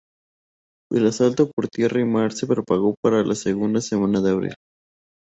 El asalto por tierra y mar se programó para la segunda semana de abril.